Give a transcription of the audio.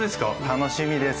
楽しみです。